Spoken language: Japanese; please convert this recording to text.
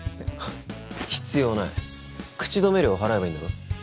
必要ない口止め料払えばいいんだろ？